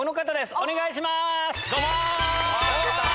お願いします。